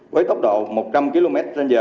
với tốc độ một trăm linh kmh